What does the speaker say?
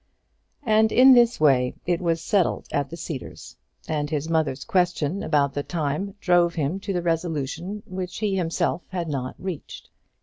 And in this way it was settled at the Cedars; and his mother's question about the time drove him to the resolution which he himself had not reached.